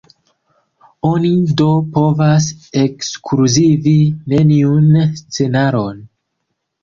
Oni do povas ekskluzivi neniun scenaron.